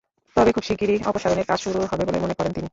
তবে খুব শিগগিরই অপসারণের কাজ শুরু হবে বলে মনে করেন তিনি।